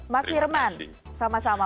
mas firman sama sama